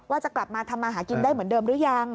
ว่าจะกลับมาทำมาหากินได้เหมือนเดิมหรือยัง